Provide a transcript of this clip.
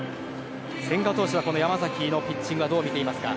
千賀投手は、山崎のピッチングをどう見ていますか？